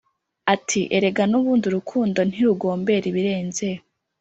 ati"arega nubundi urukundo ntirugombera ibirenze